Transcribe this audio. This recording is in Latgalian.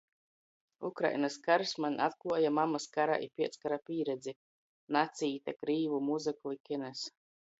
Ukrainys kars maņ atkluoja mamys kara i pieckara pīredzi. Nacīte krīvu muzyku i kinys.